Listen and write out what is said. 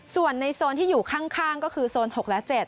ส่วนในโซนที่อยู่ข้างก็คือโซน๖และ๗